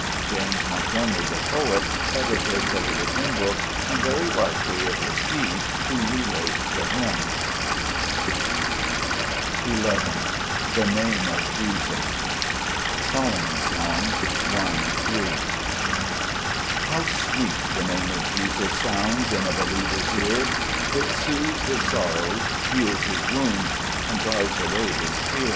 James Montgomery, the poet, edited the little hymn book, and very likely it was he who re wrote the hymn, \\ Z\)C IRame of Jesus. Solomon's Song i, 3. HOW sweet the Name of Jesus sounds In a believer's ear ! It soothes his sorrows, heals his wounds, And drives away his fear.